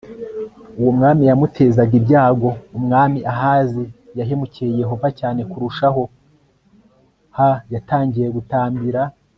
uwo mwami yamutezaga ibyago Umwami Ahazi yahemukiye Yehova cyane kurushaho h Yatangiye gutambira